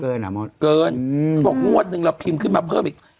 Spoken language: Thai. เอาบอกวทย์นึงเราพิมพ์เพิ่มอีก